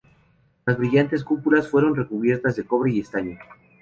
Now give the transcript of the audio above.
Las brillantes cúpulas fueron recubiertas de cobre y estaño.